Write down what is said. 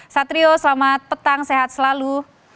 satrio selamat petang sehat selalu